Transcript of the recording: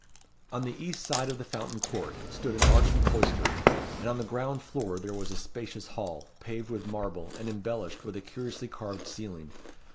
On the east side of the Fountain Court stood an arched cloister; and on the ground floor there was a spacious hall, paved with marble, and embellished with a curiously carved ceiling.